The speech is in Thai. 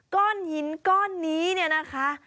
ก้อนหินก้อนนี้เนี่ยนะคะ